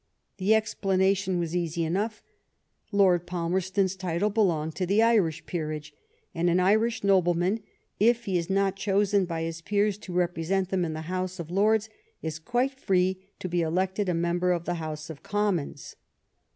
The explanation was easy enough. Lord Palmer ston's title belonged to the Irish peerage, and an Irish nobleman, if he is not chosen by his peers to represent them in the House of Lords, is quite free to be elected a member of the House of Commons.